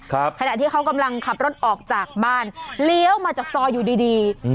ขณะที่เขากำลังขับรถออกจากบ้านเลี้ยวมาจากซอยอยู่ดีดีอืม